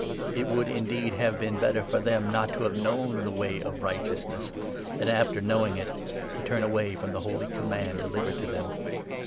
It would, indeed, have been 21 better for them not to have known the Way of Righteousness, than, after knowing it, to turn away from the holy Command delivered to them.